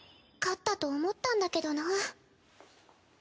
勝ったと思ったんだけどな。